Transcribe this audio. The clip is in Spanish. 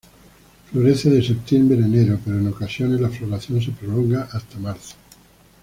Florece de septiembre a enero, pero en ocasiones la floración se prolonga hasta marzo.